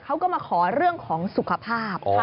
เขาก็มาขอเรื่องของสุขภาพ